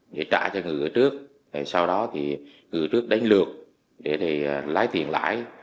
để trả cho người gửi trước sau đó thì người gửi trước đánh lượt để thì lái tiền lãi